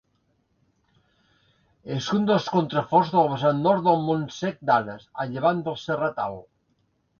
És un dels contraforts del vessant nord del Montsec d'Ares, a llevant del Serrat Alt.